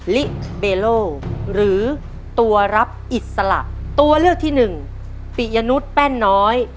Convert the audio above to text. ลิเบโลหรือตัวรับอิสระตัวเลือกที่หนึ่งปิยนุษย์แป้นน้อย